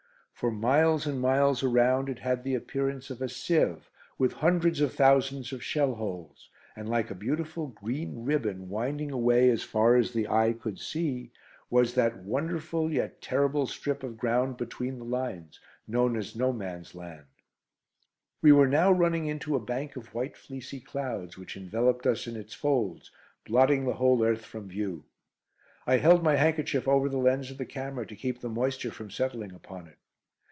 For miles and miles around it had the appearance of a sieve, with hundreds of thousands of shell holes, and like a beautiful green ribbon, winding away as far as the eye could see, was that wonderful yet terrible strip of ground between the lines, known as "No Man's Land." We were now running into a bank of white fleecy clouds, which enveloped us in its folds, blotting the whole earth from view. I held my handkerchief over the lens of the camera to keep the moisture from settling upon it.